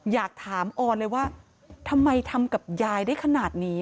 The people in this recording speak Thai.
อยากถามออนเลยว่าทำไมทำกับยายได้ขนาดนี้